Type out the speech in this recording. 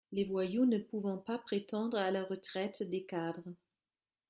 les voyous ne pouvant pas prétendre à la retraite des cadres.